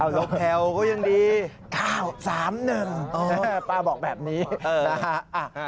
โรแพลล์ก็ยังดี๙๓หนึ่งป้าบอกแบบนี้นะฮะ